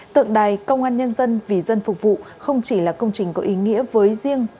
tượng đài công an nhân dân vì dân phục vụ không chỉ là công trình có ý nghĩa với riêng